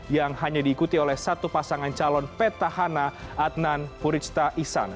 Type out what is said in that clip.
yang hanya diikuti oleh satu pasangan calon petahana adnan furizta isan